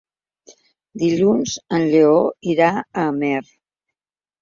Dilluns en Lleó irà a Amer.